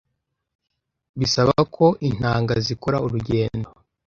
bisaba ko intanga zikora urugendo